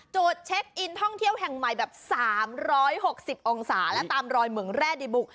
เช็คอินท่องเที่ยวแห่งใหม่แบบ๓๖๐องศาและตามรอยเหมืองแร่ดีบุก